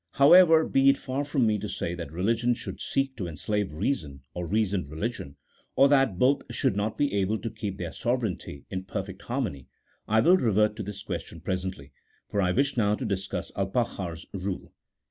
However, be it far from me to say that religion should seek to enslave reason, or reason religion, or that both should not be able to keep their sovereignity in perfect harmony. I will revert to this question presently, for I wish now to discuss Alpakhar's rule.